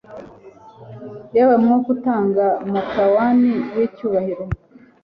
Yemwe mwuka utanga Mantouan w'icyubahiro